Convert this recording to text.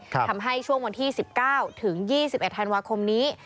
ทำให้ช่วงวันที่๑๙ถึง๒๑ธันวาคมนี้